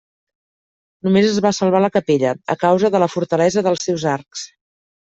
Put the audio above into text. Només es va salvar la capella a causa de la fortalesa dels seus arcs.